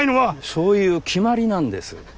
そういう決まりなんです。